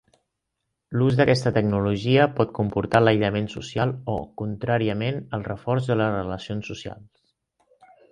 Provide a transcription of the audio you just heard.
L'ús d'aquesta tecnologia pot comportar l'aïllament social o, contràriament, el reforç de les relacions socials.